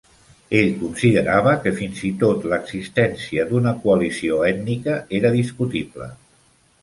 Ell considerava que fins i tot l'existència d'una coalició ètnica era discutible.